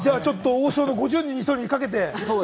王将の５０人に１人にかけて。